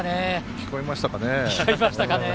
聞こえましたかね。